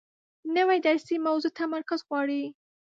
نوې درسي موضوع تمرکز غواړي